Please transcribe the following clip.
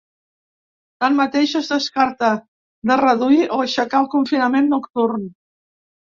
Tanmateix, es descarta de reduir o aixecar el confinament nocturn.